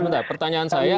sebentar pertanyaan saya